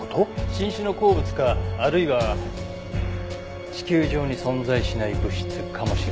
新種の鉱物かあるいは地球上に存在しない物質かもしれません。